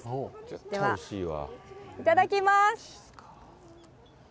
では、いただきます。